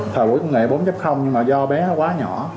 thời công nghệ bốn nhưng mà do bé nó quá nhỏ